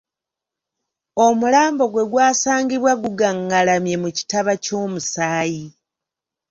Omulambo gwe gwasangibwa gugaղղalamye mu kitaba ky’omusaayi.